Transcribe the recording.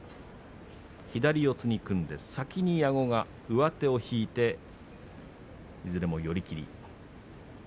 左四つに組んで先に矢後が上手を引いていずれも寄り切り。